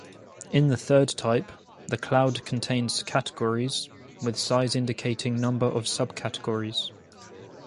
In the third type, the cloud contains categories, with size indicating number of subcategories.